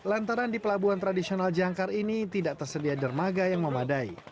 lantaran di pelabuhan tradisional jangkar ini tidak tersedia dermaga yang memadai